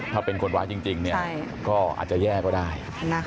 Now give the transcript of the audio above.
ถ้าเป็นคนร้ายจริงก็อาจจะแย่ก็ได้